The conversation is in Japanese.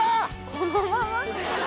このまま？